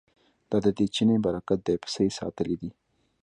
دا ددې چیني برکت دی پسه یې ساتلی دی.